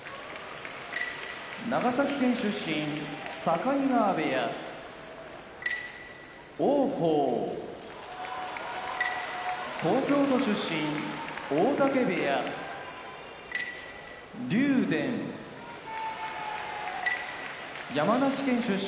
長崎県出身境川部屋王鵬東京都出身大嶽部屋竜電山梨県出身